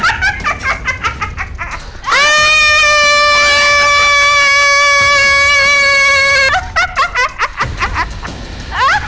jadi selama ini tante jadi hantu nenek